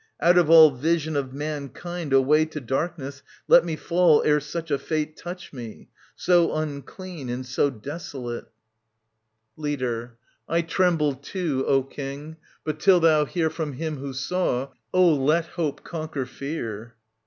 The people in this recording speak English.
Out of all vision of mankind away To darkness let me fall ere such a fate Touch me, so unclean and so desolate I 47 SOPHOCLES TV. 829 850 Leader. I tremble too, O King ; but till thou hear From him who saw, oh, let hope conquer fear.